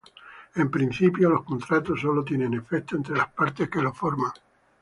En principio, los contratos sólo tienen efectos entre las partes que lo forman.